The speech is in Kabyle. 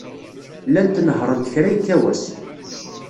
Llant nehhṛent kra yekka wass.